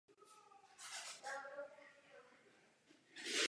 Při zadržení lodi izraelskou armádou byl zabit.